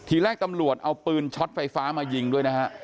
ทีแรกตำรวจเอาปืนช็อตไฟฟ้ามายิงด้วยนะฮะ